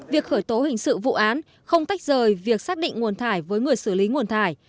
việc khởi tố hình sự vụ án không tách rời việc xác định nguồn thải với người xử lý nguồn thải